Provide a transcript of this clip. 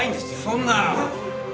そんな。